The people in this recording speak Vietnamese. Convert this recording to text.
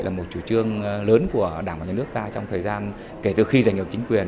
là một chủ trương lớn của đảng và nhà nước ta trong thời gian kể từ khi giành được chính quyền